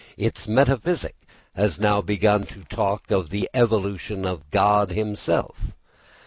Its metaphysic has now begun to talk of the evolution of God himself.